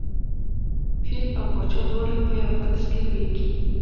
فیل او پاچا دواړه په یوه بکس کې لویږي.